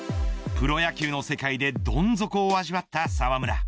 プロ野球の世界でどん底を味わった澤村。